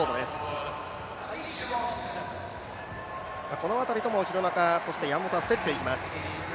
この辺りとも廣中、山本は競っていきます。